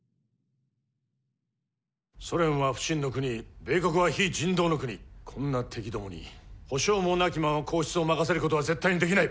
ソ連は不信の国米国は非人道の国こんな敵共に保証もなきまま皇室を委せることは絶対に出来ない！